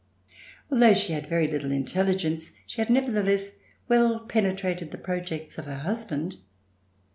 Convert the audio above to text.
Although she had very little intelligence, she had nevertheless well penetrated the projects of her husband.